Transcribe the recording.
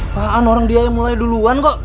pak an orang dia yang mulai duluan kok